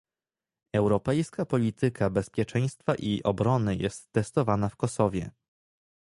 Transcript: Europejska polityka bezpieczeństwa i obrony jest testowana w Kosowie